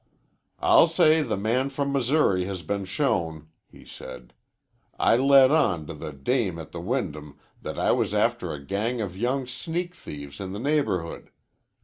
"I'll say the man from Missouri has been shown," he said. "I let on to the dame at the Wyndham that I was after a gang of young sneak thieves in the neighborhood.